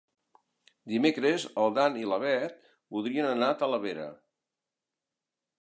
Dimecres en Dan i na Bet voldrien anar a Talavera.